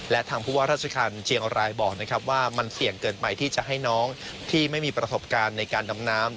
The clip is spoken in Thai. และทางผู้ว่าราชการเชียงรายบอกนะครับว่ามันเสี่ยงเกินไปที่จะให้น้องที่ไม่มีประสบการณ์ในการดำน้ำ